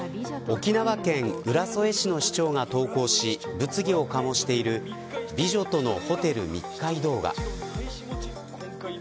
沖縄県浦添市の市長が投稿し物議を醸している美女とのホテル密会動画。